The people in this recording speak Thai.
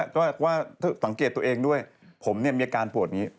ถ้าสังเกตตัวเองด้วยผมเนี่ยมีอาการปวดนี้